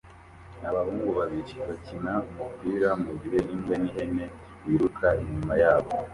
Abahungu babiri bakina umupira mugihe imbwa n'ihene biruka inyuma yabo